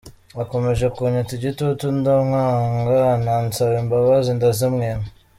akomeje kunyotsa igitutu ndamwanga, anansaba imbabazi ndazimwima.